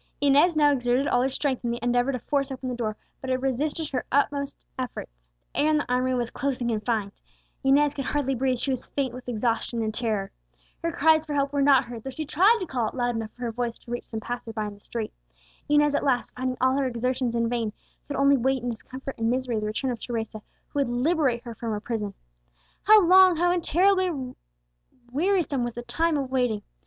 Inez now exerted all her strength in the endeavour to force open the door, but it resisted her utmost efforts. The air in the armoury was close and confined. Inez could hardly breathe; she was faint with exhaustion and terror. Her cries for help were not heard, though she tried to call out loud enough for her voice to reach some passer by in the street. Inez at last, finding all her exertions vain, could only await in discomfort and misery the return of Teresa, who would liberate her from her prison. How long, how intolerably wearisome was the time of waiting!